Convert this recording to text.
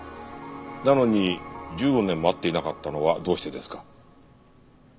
なのに１５年も会っていなかったのはどうしてですか？